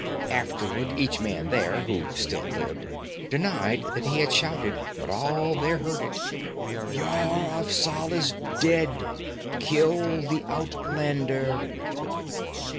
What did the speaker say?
Afterward each man there who still lived denied that he had shouted, but all there heard it. 'Yar Afzal is dead! Kill the outlander!'